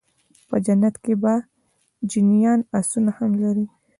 په جنت کي به جنيان آسونه هم لري